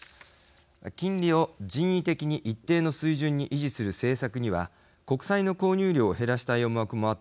金利を人為的に一定の水準に維持する政策には国債の購入量を減らしたい思惑もあったといいます。